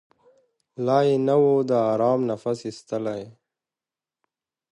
لا یې نه وو د آرام نفس ایستلی